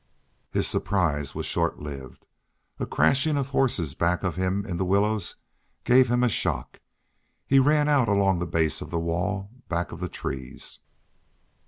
His surprise was short lived. A crashing of horses back of him in the willows gave him a shock. He ran out along the base of the wall, back of the trees.